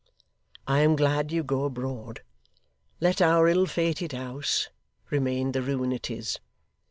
I am glad you go abroad. Let our ill fated house remain the ruin it is.